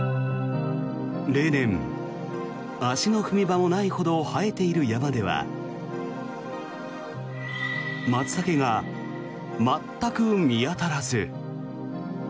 例年、足の踏み場もないほど生えている山ではマツタケが全く見当たらず。